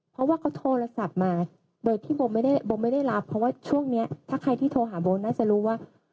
เพราะว่าเขาโทรศัพท์มาโดยที่โบไม่ได้โบไม่ได้รับเพราะว่าช่วงนี้ถ้าใครที่โทรหาโบน่าจะรู้ว่า